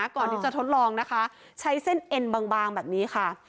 ก่อนที่จะทดลองนะคะใช้เส้นเอ็นบางแบบนี้ค่ะ